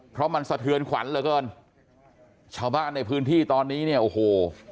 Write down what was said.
เพราะมันสะเทือนขวัญเหลือเกินชาวบ้านในพื้นที่ตอนนี้เนี่ยโอ้โห